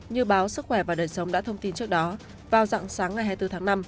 như báo sức khỏe và đời sống đã thông tin trước đó vào dạng sáng ngày hai mươi bốn tháng năm